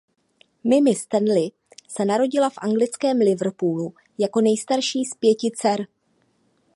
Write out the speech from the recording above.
Mimi Stanley se narodila v anglickém Liverpoolu jako nejstarší z pěti dcer.